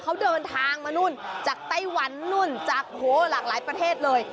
เขาเดินทางมานู่นจากไต้หวันนู่นจากหลากหลายประเทศเลย